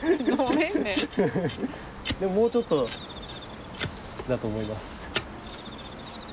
でももうちょっとだと思います。